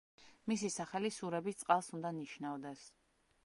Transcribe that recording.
მისი სახელი სურების წყალს უნდა ნიშნავდეს.